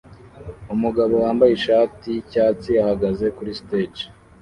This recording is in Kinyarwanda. Umugabo wambaye ishati yicyatsi ahagaze kuri stage